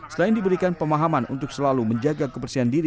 selain diberikan pemahaman untuk selalu menjaga kebersihan diri